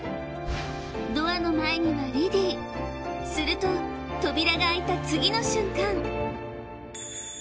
ドアの前にはリディすると扉が開いた次の瞬間